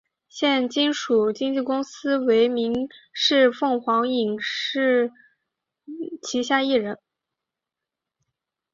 现今所属经纪公司为民视凤凰艺能旗下艺人。